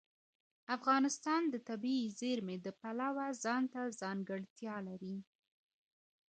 افغانستان د طبیعي زیرمې د پلوه ځانته ځانګړتیا لري.